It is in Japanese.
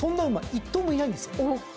１頭もいないんですよ。